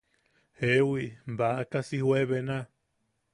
Jewi, baaka si juebena.